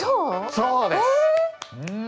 そうです！え！